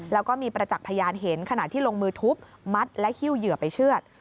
แล้วก็มีประจักษ์พยานเห็นขณะที่ลงมือทุบมัดและหิ้วเหยื่อไปเชื่อด